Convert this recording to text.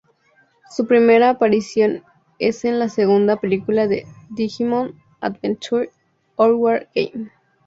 Su primera aparición es en la segunda película de Digimon Adventure, Our War Game!